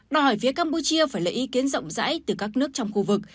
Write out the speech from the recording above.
đòi hỏi phía campuchia phải lấy ý kiến rộng rãi từ các nước trong khu vực